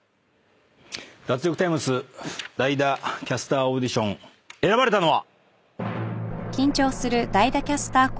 『脱力タイムズ』代打キャスターオーディション選ばれたのは。